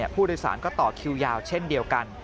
ผู้โดยสารก็ต่อคิวยาวเช่นเดียวกัน